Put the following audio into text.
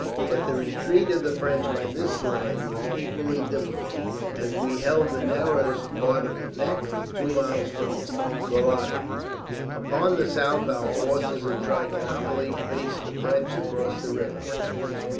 But the retreat of the French by this line was equally difficult, as we held the narrowest part of the neck, two miles from Koiladi. Upon the south, our forces at Trichinopoli faced the French across the river.